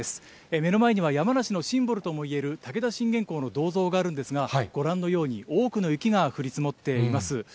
目の前には山梨のシンボルともいえる、武田信玄公の銅像があるんですが、ご覧のように、多くの雪が降り積もっています。